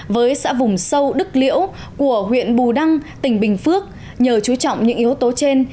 với xã vùng sâu đức liễu của huyện bù đăng tỉnh bình phước nhờ chú trọng những yếu tố trên